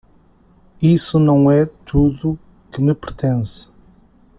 Isso não é tudo que me pertence.